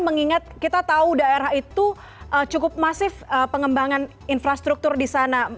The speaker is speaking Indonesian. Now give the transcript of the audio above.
mengingat kita tahu daerah itu cukup masif pengembangan infrastruktur di sana